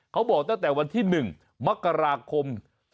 เขาบอกตั้งแต่วันที่๑มกราคม